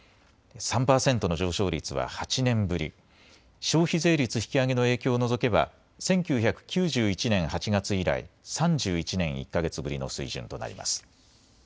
３％の上昇率は８年ぶり、消費税率引き上げの影響を除けば１９９１年８月以来、３１年１か月ぶりの水準となります。